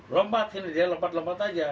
lompat sini dia lompat lompat aja